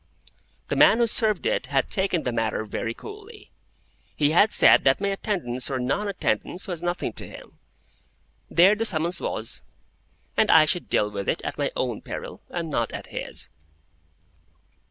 The man who served it had taken the matter very coolly. He had said that my attendance or non attendance was nothing to him; there the summons was; and I should deal with it at my own peril, and not at his.